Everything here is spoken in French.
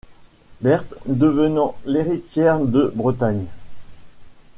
Berthe devenant l'héritière de Bretagne.